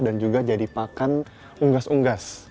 dan juga jadi pakan unggas unggas